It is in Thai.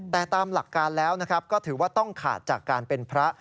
แต่ตามหลักการแล้วก็ถือว่าต้องขาดจากการเป็นพระ